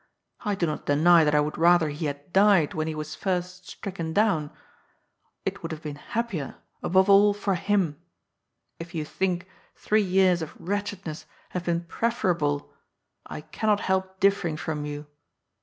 I do not deny that I would rather he had died when he was first stricken down. It would haye been hap pier, aboye all for him. If you think these years of wretch edness haye been preferable, I cannot help differing from you.